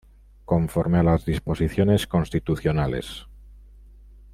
Conforme a las disposiciones constitucionales.